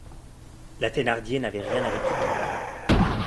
La Thénardier n'avait rien à répliquer.